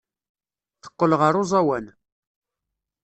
Teqqel ɣer uẓawan.